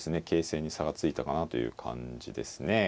形勢に差がついたかなという感じですね